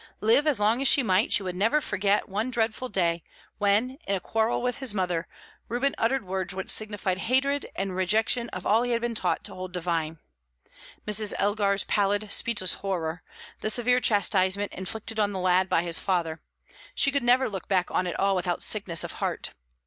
Live as long as she might, she would never forget one dreadful day when, in a quarrel with his mother, Reuben uttered words which signified hatred and rejection of all he had been taught to hold divine Mrs. Elgar's pallid, speechless horror; the severe chastisement inflicted on the lad by his father; she could never look back on it all without sickness of heart.